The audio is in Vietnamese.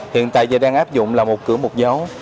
hiện tại giờ đang áp dụng là một cửa một dấu